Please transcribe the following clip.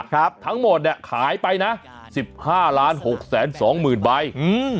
ครับทั้งหมดเนี้ยขายไปนะสิบห้าล้านหกแสนสองหมื่นใบอืม